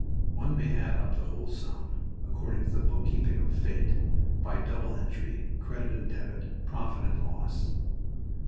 One may add up the whole sum according to the bookkeeping of Fate, by double entry, credit and debit, profit and loss.